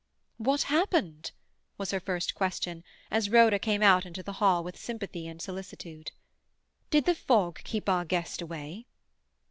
"What happened?" was her first question, as Rhoda came out into the hall with sympathy and solicitude. "Did the fog keep our guest away?"